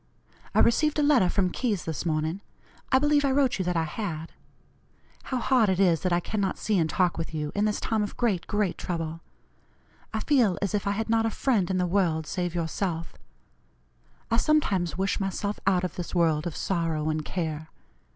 I received a letter from Keyes this morning. I believe I wrote you that I had. How hard it is that I cannot see and talk with you in this time of great, great trouble. I feel as if I had not a friend in the world save yourself. I sometimes wish myself out of this world of sorrow and care.